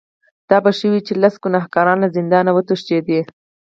دا به ښه وي چې لس ګناهکاران له زندانه وتښتي.